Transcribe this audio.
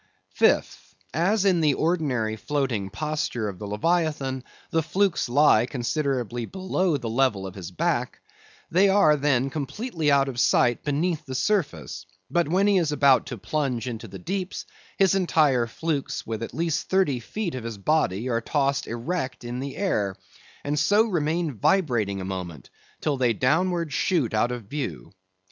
Fifth: As in the ordinary floating posture of the leviathan the flukes lie considerably below the level of his back, they are then completely out of sight beneath the surface; but when he is about to plunge into the deeps, his entire flukes with at least thirty feet of his body are tossed erect in the air, and so remain vibrating a moment, till they downwards shoot out of view.